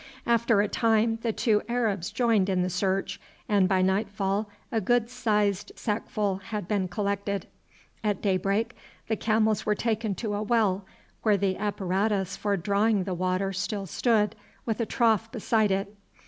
After a time the two Arabs joined in the search, and by nightfall a good sized sackful had been collected. At daybreak the camels were taken to a well, where the apparatus for drawing the water still stood, with a trough beside it.